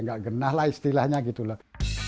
enggak genahlah istilahnya gitu lah